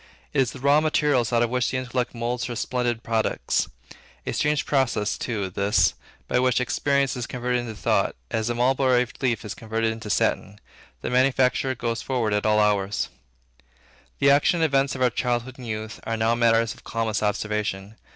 It is the raw material out of which the intellect moulds her splendid products. A strange process too, this, by which experience is converted into thought, as a mulberry leaf is converted into satin. The manufacture goes forward at all hours. The actions and events of our childhood and youth, are now matters of calmest observation.